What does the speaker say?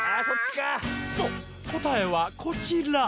そうこたえはこちら。